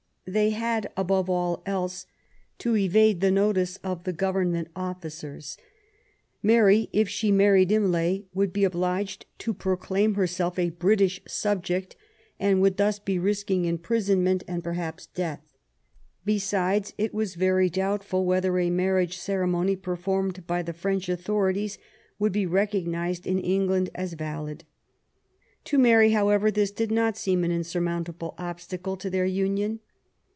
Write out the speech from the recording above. They had^ above all else^ to evade the notice of Govern ment officers. Mary^ if she married Imlay^ would be obliged to proclaim herself a British subject^ and would thus be risking imprisonment, and perhaps death. Besides, it was very doubtful whether a marriage cere mony performed by the French authorities would be recognized in England as valid. To Mary^ however^ this did not seem an insurmount able obstacle to their union.